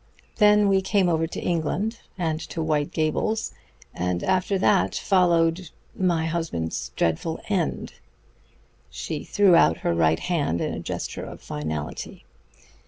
Then we came over to England and to White Gables, and after that followed my husband's dreadful end." She threw out her right hand in a gesture of finality.